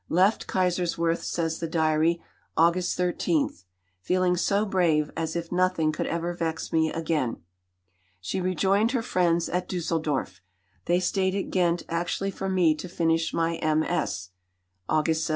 "Left Kaiserswerth," says the diary (August 13), "feeling so brave as if nothing could ever vex me again." She rejoined her friends at Düsseldorf. "They stayed at Ghent actually for me to finish my MS." (August 17).